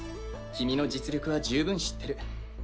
君の実力は十分知ってる。